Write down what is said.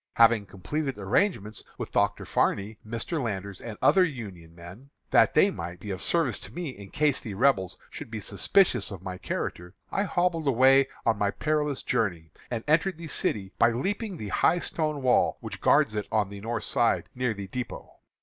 Having completed arrangements with Dr. Farney, Mr. Landers, and other Union men, that they might be of service to me in case the Rebels should be suspicious of my character, I hobbled away on my perilous journey, and entered the city by leaping the high stone wall which guards it on the north side near the dépôt.